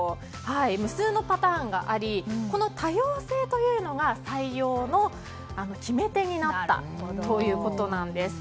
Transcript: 無数のパターンがありこの多様性というのが採用の決め手になったということなんです。